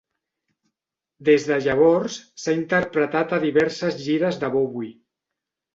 Des de llavors, s'ha interpretat a diverses gires de Bowie.